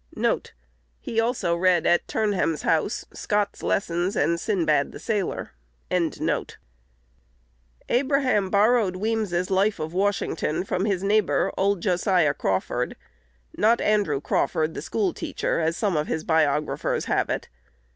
1 He also read at Turnham's house Scott's Lessons and Sindbad the Sailor. Abraham borrowed Weems's "Life of Washington" from his neighbor, old Josiah Crawford, not Andrew Crawford, the school teacher, as some of his biographers have it.